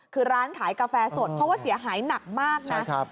คือร้านขายกาแฟสดเพราะว่าเสียหายหนักมากนะ